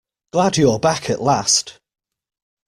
Glad you're back at last.